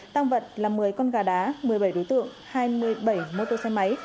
tăng vật là một mươi con gà đá một mươi bảy đối tượng hai mươi bảy mô tô xe máy